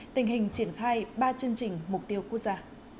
tình hình triển khai ba chương trình mục tiêu quốc gia